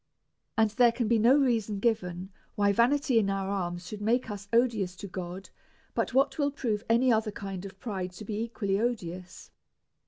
And there can be no reason given why vanity in our alms should make us odious to God, but what will prove any other kind of pride to be equally odious.